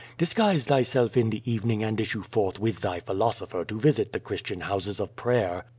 Disguise thyself in the evening and issue forth with thy philosopher to visit the Christian houses of prayer.